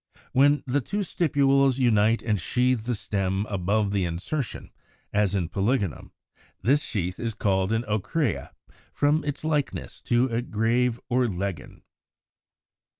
When the two stipules unite and sheathe the stem above the insertion, as in Polygonum (Fig. 178), this sheath is called an Ocrea from its likeness to a greave or leggin.